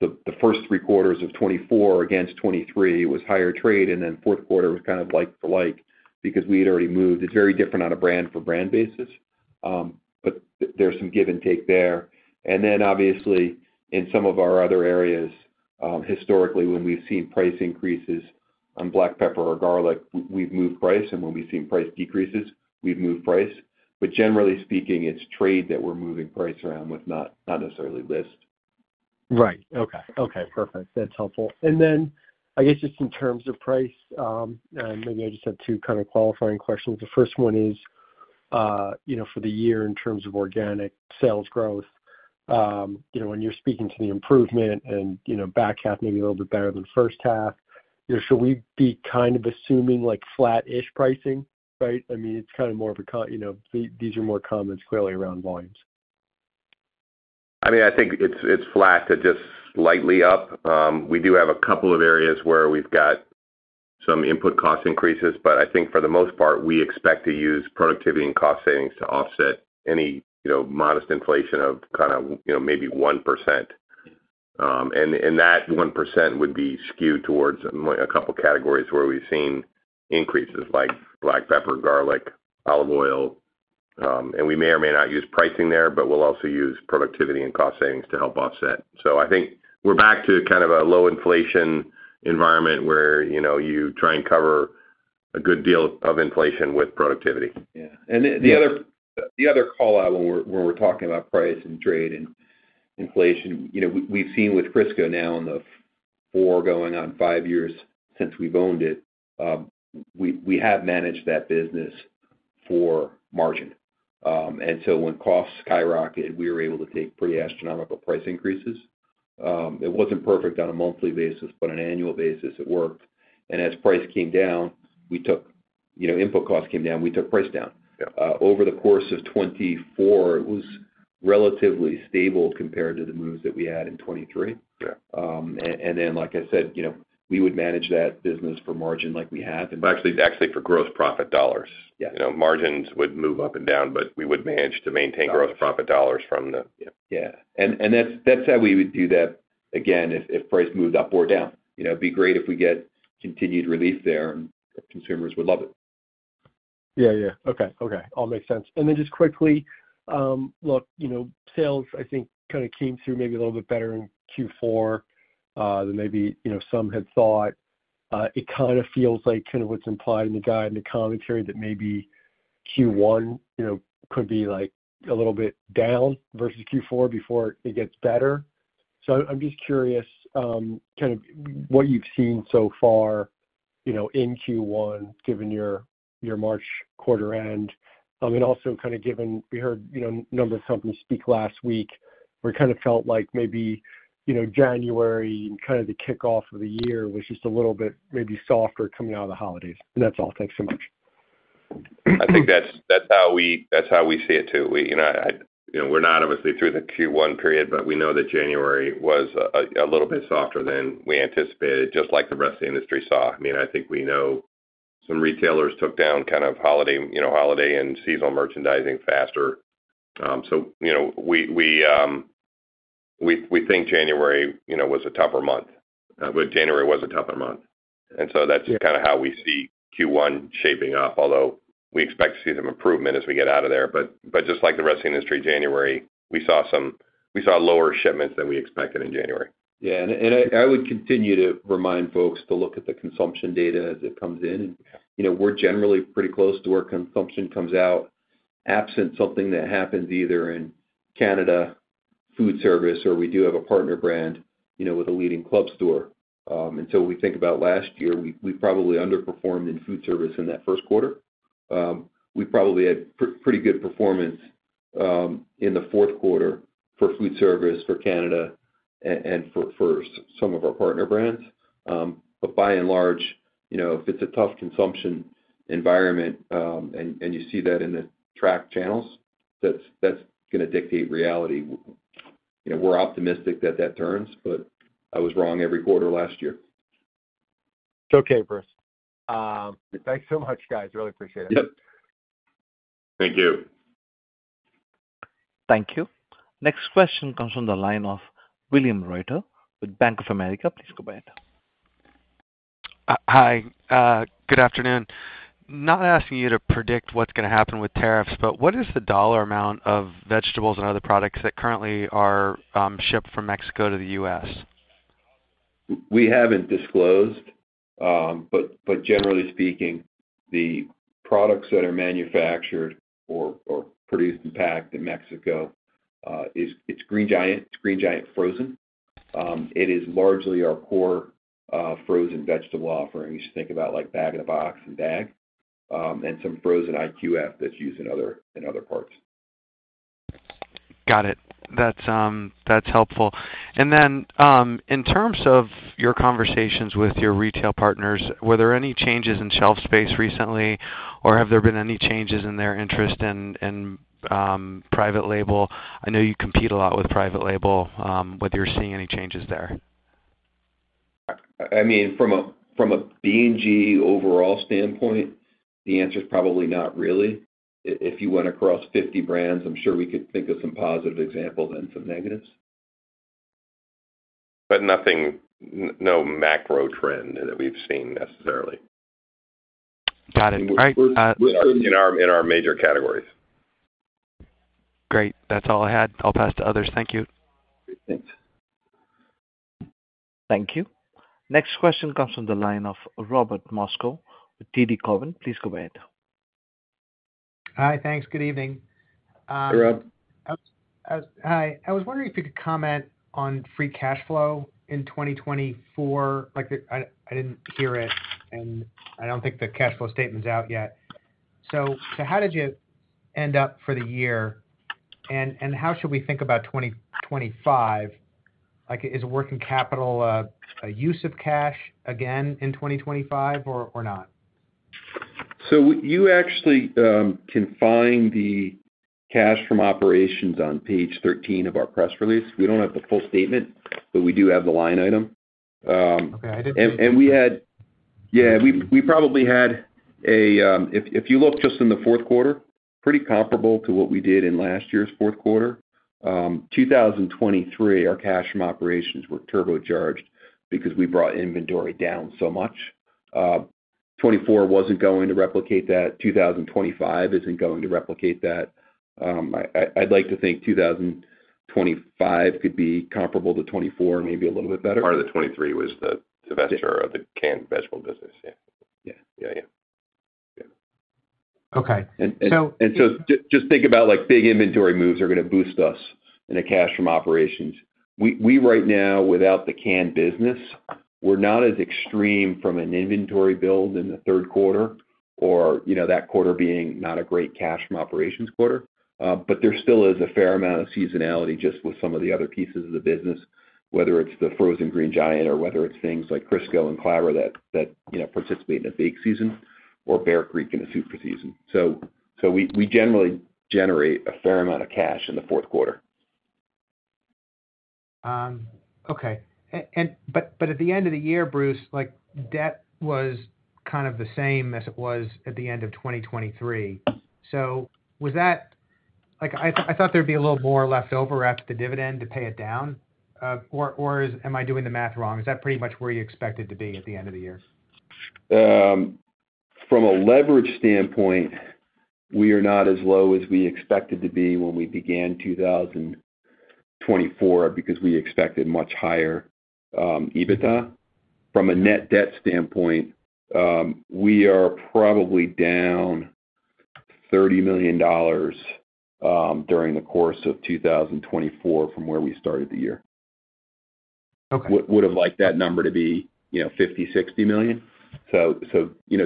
D: the first three quarters of 2024 against 2023, it was higher trade. And then fourth quarter was kind of like for like because we had already moved. It's very different on a brand-for-brand basis. But there's some give and take there. And then, obviously, in some of our other areas, historically, when we've seen price increases on black pepper or garlic, we've moved price. And when we've seen price decreases, we've moved price. But generally speaking, it's trade that we're moving price around with, not necessarily list.
G: Right. Okay. Okay. Perfect. That's helpful. Then I guess just in terms of price, maybe I just have two kind of qualifying questions. The first one is for the year in terms of organic sales growth, when you're speaking to the improvement and back half maybe a little bit better than first half, should we be kind of assuming flat-ish pricing, right? I mean, it's kind of more of a, these are more comments clearly around volumes.
C: I mean, I think it's flat to just slightly up. We do have a couple of areas where we've got some input cost increases. But I think for the most part, we expect to use productivity and cost savings to offset any modest inflation of kind of maybe 1%. And that 1% would be skewed towards a couple of categories where we've seen increases like black pepper, garlic, olive oil. We may or may not use pricing there, but we'll also use productivity and cost savings to help offset. I think we're back to kind of a low inflation environment where you try and cover a good deal of inflation with productivity.
G: Yeah.
D: The other call-out when we're talking about price and trade and inflation, we've seen with Crisco now in the four going on five years since we've owned it, we have managed that business for margin. When costs skyrocketed, we were able to take pretty astronomical price increases. It wasn't perfect on a monthly basis, but on an annual basis, it worked. As input costs came down, we took price down. Over the course of 2024, it was relatively stable compared to the moves that we had in 2023. And then, like I said, we would manage that business for margin like we have. Actually, for gross profit dollars. Margins would move up and down, but we would manage to maintain gross profit dollars from the, yeah. And that's how we would do that again if price moved up or down. It'd be great if we get continued relief there, and consumers would love it.
G: Yeah. Yeah. Okay. Okay. All makes sense. And then just quickly, look, sales, I think, kind of came through maybe a little bit better in Q4 than maybe some had thought. It kind of feels like kind of what's implied in the guide and the commentary that maybe Q1 could be a little bit down versus Q4 before it gets better. So I'm just curious kind of what you've seen so far in Q1, given your March quarter end. And also, kind of given we heard a number of companies speak last week, where it kind of felt like maybe January and kind of the kickoff of the year was just a little bit maybe softer coming out of the holidays. And that's all. Thanks so much.
C: I think that's how we see it too. We're not obviously through the Q1 period, but we know that January was a little bit softer than we anticipated, just like the rest of the industry saw. I mean, I think we know some retailers took down kind of holiday and seasonal merchandising faster. So we think January was a tougher month. January was a tougher month. And so that's kind of how we see Q1 shaping up, although we expect to see some improvement as we get out of there. But just like the rest of the industry, January, we saw lower shipments than we expected in January.
D: Yeah. And I would continue to remind folks to look at the consumption data as it comes in. And we're generally pretty close to where consumption comes out, absent something that happens either in Canada, food service, or we do have a partner brand with a leading club store. And so we think about last year, we probably underperformed in food service in that first quarter. We probably had pretty good performance in the fourth quarter for food service for Canada and for some of our partner brands. But by and large, if it's a tough consumption environment and you see that in the tracked channels, that's going to dictate reality. We're optimistic that that turns, but I was wrong every quarter last year.
G: It's okay, Bruce. Thanks so much, guys. Really appreciate it.
C: Thank you.
A: Thank you. Next question comes from the line of William Reuter with Bank of America. Please go ahead.
H: Hi. Good afternoon. Not asking you to predict what's going to happen with tariffs, but what is the dollar amount of vegetables and other products that currently are shipped from Mexico to the US?
D: We haven't disclosed. But generally speaking, the products that are manufactured or produced and packed in Mexico, it's Green Giant frozen. It is largely our core frozen vegetable offering. You should think about bag-in-a-box and bag, and some frozen IQF that's used in other parts.
H: Got it. That's helpful. And then in terms of your conversations with your retail partners, were there any changes in shelf space recently, or have there been any changes in their interest in private label? I know you compete a lot with private label. Whether you're seeing any changes there?
D: I mean, from a B&G overall standpoint, the answer is probably not really. If you went across 50 brands, I'm sure we could think of some positive examples and some negatives. But no macro trend that we've seen necessarily.
H: Got it.
C: In our major categories.
H: Great. That's all I had. I'll pass to others. Thank you.
C: Thanks.
A: Thank you. Next question comes from the line of Robert Moskow with TD Cowen. Please go ahead.
I: Hi. Thanks. Good evening.
C: Hey, Rob.
I: Hi. I was wondering if you could comment on free cash flow in 2024. I didn't hear it, and I don't think the cash flow statement's out yet. So how did you end up for the year? And how should we think about 2025? Is working capital a use of cash again in 2025 or not?
D: You actually can find the cash from operations on page 13 of our press release. We don't have the full statement, but we do have the line item. Uhm.
I: I didn't see that.
D: Yeah. We probably had a, if you look just in the fourth quarter, pretty comparable to what we did in last year's fourth quarter. 2023, our cash from operations were turbocharged because we brought inventory down so much. 2024 wasn't going to replicate that. 2025 isn't going to replicate that. I'd like to think 2025 could be comparable to 2024, maybe a little bit better. Part of the 2023 was the venture of the canned vegetable business. Yeah. Yeah. Yeah. Yeah.
I: Okay.
D: And so just think about big inventory moves are going to boost us in the cash from operations. We're right now, without the canned business, not as extreme from an inventory build in the third quarter or that quarter being not a great cash from operations quarter. But there still is a fair amount of seasonality just with some of the other pieces of the business, whether it's the frozen Green Giant or whether it's things like Crisco and Clabber Girl that participate in the bake season or Bear Creek in the soup season. So we generally generate a fair amount of cash in the fourth quarter.
I: Okay. But at the end of the year, Bruce, debt was kind of the same as it was at the end of 2023. So was that. I thought there'd be a little more left over after the dividend to pay it down. Or am I doing the math wrong? Is that pretty much where you expected to be at the end of the year?
C: From a leverage standpoint, we are not as low as we expected to be when we began 2024 because we expected much higher EBITDA. From a net debt standpoint, we are probably down $30 million during the course of 2024 from where we started the year. Would have liked that number to be $50 million-$60 million. So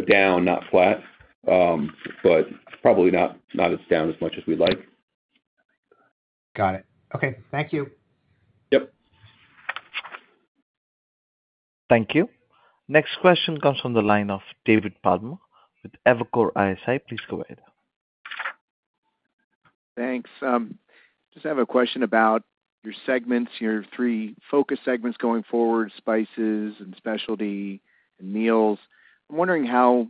C: down, not flat, but probably not as down as much as we'd like.
I: Got it. Okay. Thank you.
C: Yep.
A: Thank you. Next question comes from the line of David Palmer with Evercore ISI. Please go ahead.
D: Thanks. Just have a question about your segments, your three focus segments going forward: spices and specialty and meals. I'm wondering how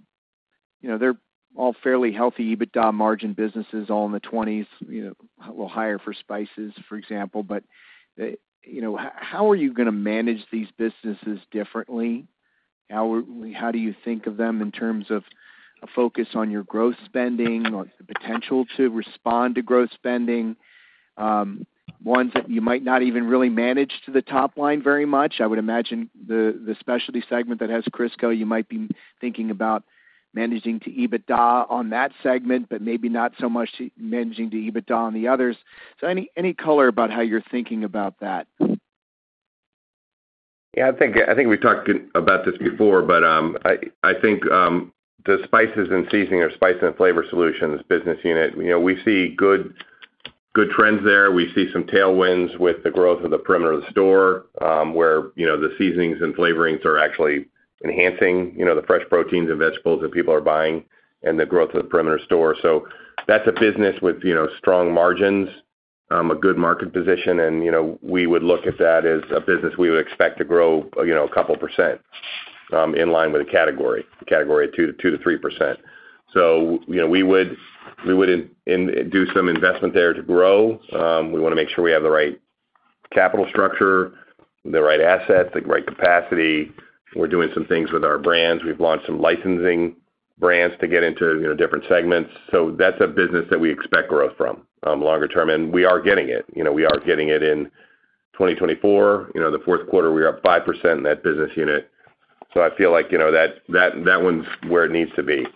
D: they're all fairly healthy EBITDA margin businesses, all in the 20s, a little higher for spices, for example. But how are you going to manage these businesses differently? How do you think of them in terms of a focus on your growth spending or the potential to respond to growth spending? Ones that you might not even really manage to the top line very much. I would imagine the Specialty segment that has Crisco, you might be thinking about managing to EBITDA on that segment, but maybe not so much managing to EBITDA on the others. So any color about how you're thinking about that?
C: Yeah. I think we've talked about this before, but I think the Spices & Seasonings or Spices & Flavor Solutions business unit, we see good trends there. We see some tailwinds with the growth of the perimeter of the store where the seasonings and flavorings are actually enhancing the fresh proteins and vegetables that people are buying and the growth of the perimeter store. So that's a business with strong margins, a good market position. And we would look at that as a business we would expect to grow a couple % in line with a category of 2%-3%. So we would do some investment there to grow. We want to make sure we have the right capital structure, the right assets, the right capacity. We're doing some things with our brands. We've launched some licensing brands to get into different segments. So that's a business that we expect growth from longer term. And we are getting it. We are getting it in 2024. The fourth quarter, we were up 5% in that business unit. So I feel like that one's where it needs to be.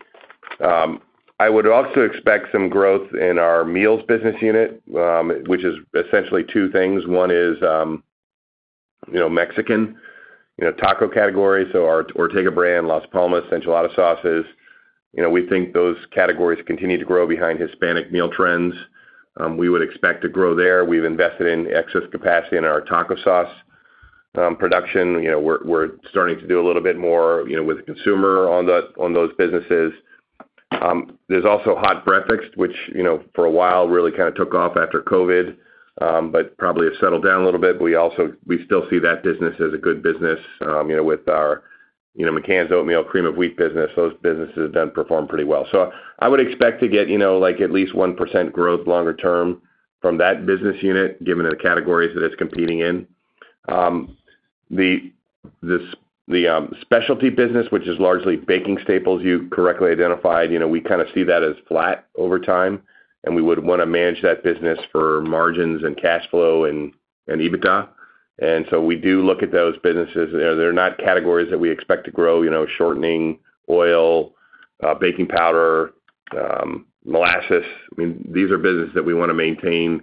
C: I would also expect some growth in our Meals business unit, which is essentially two things. One is Mexican taco categories. So Ortega brand, Las Palmas, enchilada sauces. We think those categories continue to grow behind Hispanic meal trends. We would expect to grow there. We've invested in excess capacity in our taco sauce production. We're starting to do a little bit more with the consumer on those businesses. There's also hot breakfast, which for a while really kind of took off after COVID, but probably has settled down a little bit. But we still see that business as a good business with our McCann's Oatmeal, Cream of Wheat business. Those businesses have performed pretty well. So I would expect to get at least 1% growth longer term from that business unit given the categories that it's competing in. The Specialty business, which is largely baking staples, you correctly identified, we kind of see that as flat over time. And we would want to manage that business for margins and cash flow and EBITDA. And so we do look at those businesses. They're not categories that we expect to grow: shortening, oil, baking powder, molasses. I mean, these are businesses that we want to maintain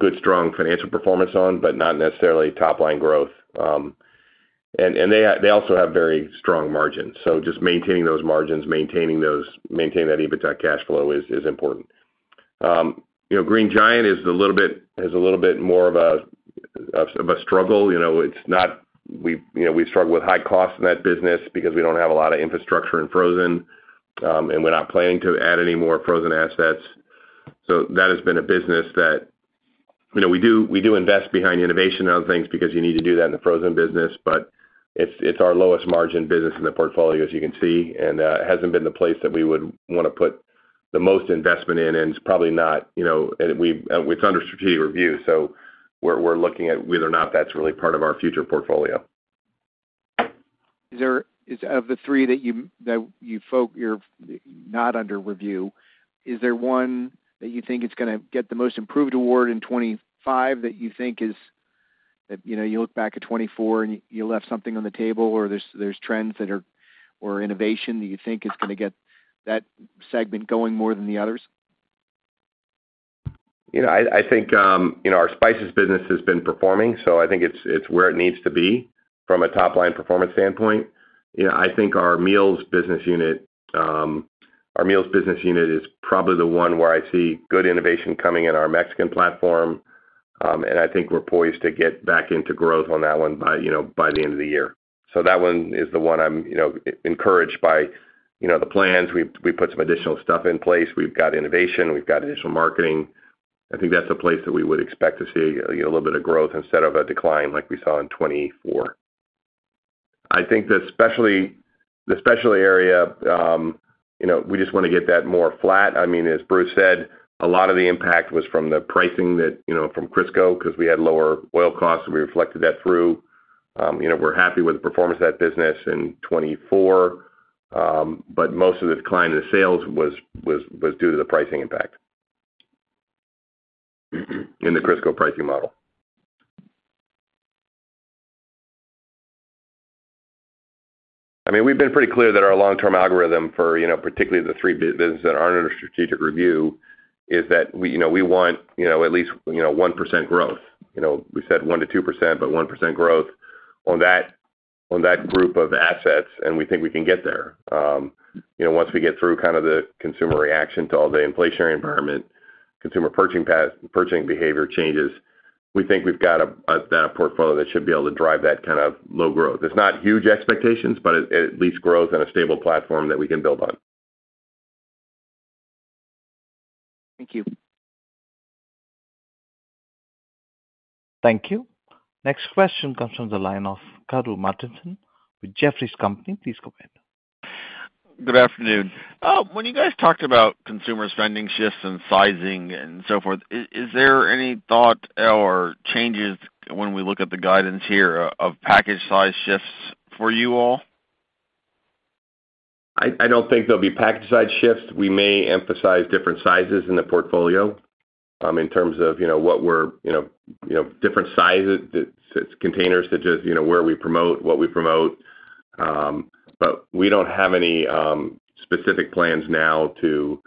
C: good, strong financial performance on, but not necessarily top-line growth. And they also have very strong margins. So just maintaining those margins, maintaining that EBITDA cash flow is important. Green Giant is a little bit more of a struggle. We struggle with high costs in that business because we don't have a lot of infrastructure in frozen, and we're not planning to add any more frozen assets. So that has been a business that we do invest behind innovation on things because you need to do that in the frozen business. But it's our lowest margin business in the portfolio, as you can see. And it hasn't been the place that we would want to put the most investment in. And it's probably not—it's under strategic review. So we're looking at whether or not that's really part of our future portfolio.
J: Of the three that are not under review, is there one that you think is going to get the most improved award in 2025 that you think is—you look back at 2024 and you left something on the table, or there's trends that are—or innovation that you think is going to get that segment going more than the others?
C: I think our spices business has been performing. So I think it's where it needs to be from a top-line performance standpoint. I think our Meals business unit is probably the one where I see good innovation coming in our Mexican platform. And I think we're poised to get back into growth on that one by the end of the year. So that one is the one I'm encouraged by the plans. We put some additional stuff in place. We've got innovation. We've got additional marketing. I think that's a place that we would expect to see a little bit of growth instead of a decline like we saw in 2024. I think the Specialty area, we just want to get that more flat. I mean, as Bruce said, a lot of the impact was from the pricing from Crisco because we had lower oil costs. We reflected that through. We're happy with the performance of that business in 2024. But most of the decline in the sales was due to the pricing impact in the Crisco pricing model. I mean, we've been pretty clear that our long-term algorithm for particularly the three businesses that aren't under strategic review is that we want at least 1% growth. We said 1%-2%, but 1% growth on that group of assets. And we think we can get there. Once we get through kind of the consumer reaction to all the inflationary environment, consumer purchasing behavior changes, we think we've got a portfolio that should be able to drive that kind of low growth. It's not huge expectations, but at least growth and a stable platform that we can build on.
A: Thank you. Thank you. Next question comes from the line of Karru Martinson with Jefferies. Please go ahead.
K: Good afternoon. When you guys talked about consumer spending shifts and sizing and so forth, is there any thought or changes when we look at the guidance here of package size shifts for you all?
D: I don't think there'll be package size shifts. We may emphasize different sizes in the portfolio in terms of what we're different sizes, containers to just where we promote, what we promote. But we don't have any specific plans now to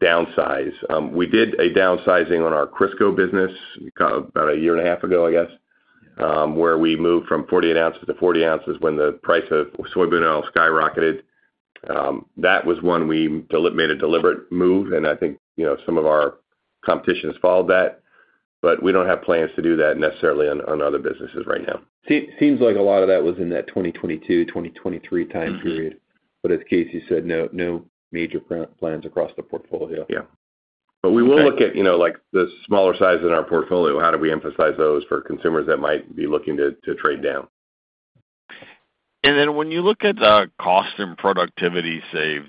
D: downsize. We did a downsizing on our Crisco business about a year and a half ago, I guess, where we moved from 48 ounces to 40 ounces when the price of soybean oil skyrocketed. That was one we made a deliberate move. And I think some of our competition has followed that. But we don't have plans to do that necessarily on other businesses right now.
K: Seems like a lot of that was in that 2022, 2023 time period. But as Casey said, no major plans across the portfolio.
D: Yeah.
K: But we will look at the smaller sizes in our portfolio. How do we emphasize those for consumers that might be looking to trade down? And then when you look at cost and productivity saves,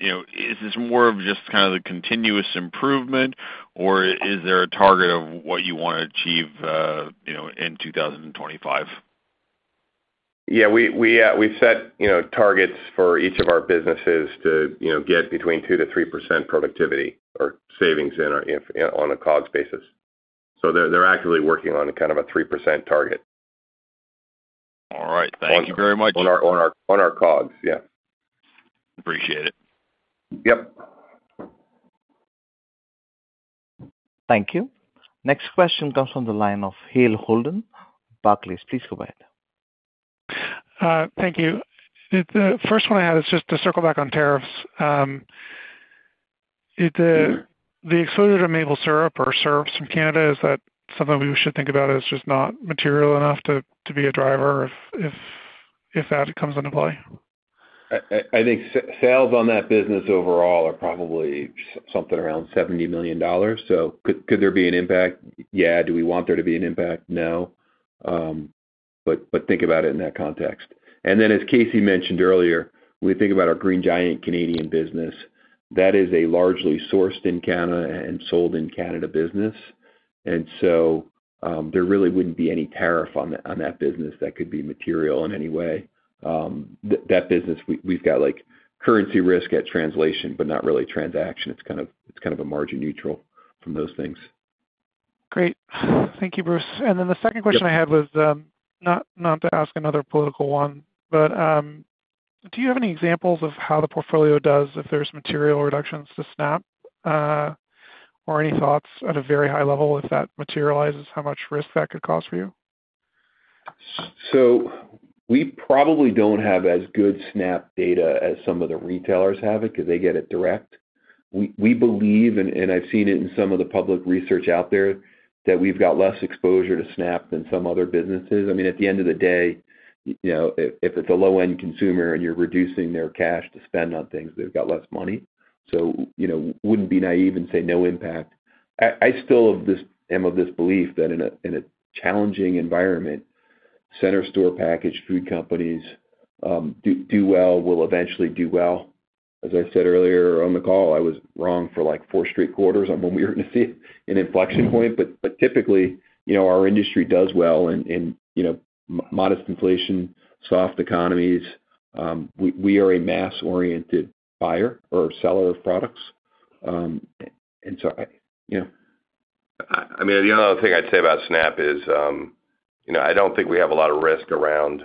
K: is this more of just kind of the continuous improvement, or is there a target of what you want to achieve in 2025?
D: Yeah. We've set targets for each of our businesses to get between 2%-3% productivity or savings on a COGS basis. So they're actively working on kind of a 3% target.
K: All right. Thank you very much.
D: On our COGS. Yeah.
K: Appreciate it.
D: Yep.
A: Thank you. Next question comes from the line of Hale Holden, Barclays. Please go ahead.
L: Thank you. The first one I had is just to circle back on tariffs. The exposure to maple syrup or syrups from Canada, is that something we should think about as just not material enough to be a driver if that comes into play?
D: I think sales on that business overall are probably something around $70 million. So could there be an impact? Yeah. Do we want there to be an impact? No. But think about it in that context. And then, as Casey mentioned earlier, when we think about our Green Giant Canadian business, that is a largely sourced in Canada and sold in Canada business. And so there really wouldn't be any tariff on that business that could be material in any way. That business, we've got currency risk at translation, but not really transaction. It's kind of a margin neutral from those things.
L: Great. Thank you, Bruce. And then the second question I had was not to ask another political one, but do you have any examples of how the portfolio does if there's material reductions to SNAP or any thoughts at a very high level if that materializes, how much risk that could cause for you?
D: So we probably don't have as good SNAP data as some of the retailers have it because they get it direct. We believe, and I've seen it in some of the public research out there, that we've got less exposure to SNAP than some other businesses. I mean, at the end of the day, if it's a low-end consumer and you're reducing their cash to spend on things, they've got less money. So wouldn't be naive and say no impact. I still am of this belief that in a challenging environment, center store packaged food companies do well, will eventually do well. As I said earlier on the call, I was wrong for four straight quarters when we were in an inflection point. But typically, our industry does well in modest inflation, soft economies. We are a mass-oriented buyer or seller of products.
C: I mean, the only other thing I'd say about SNAP is I don't think we have a lot of risk around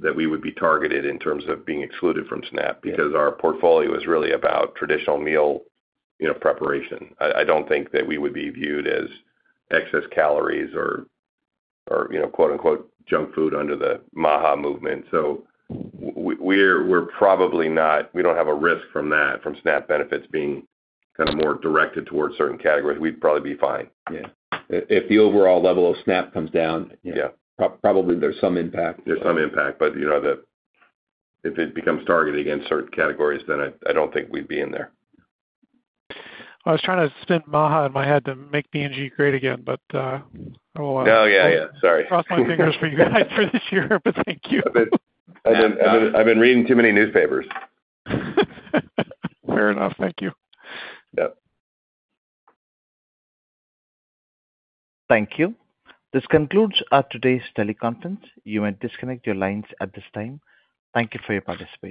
C: that we would be targeted in terms of being excluded from SNAP because our portfolio is really about traditional meal preparation. I don't think that we would be viewed as excess calories or "junk food" under the MAHA movement. So we're probably not—we don't have a risk from that, from SNAP benefits being kind of more directed towards certain categories. We'd probably be fine. Yeah. If the overall level of SNAP comes down, probably there's some impact. There's some impact. But if it becomes targeted against certain categories, then I don't think we'd be in there.
L: I was trying to spin MAHA in my head to make B&G great again, but I will.
C: Oh, yeah. Yeah. Sorry.
L: Cross my fingers for you guys for this year, but thank you.
C: I've been reading too many newspapers.
L: Fair enough. Thank you.
C: Yep.
A: Thank you. This concludes today's teleconference. You may disconnect your lines at this time. Thank you for your participation.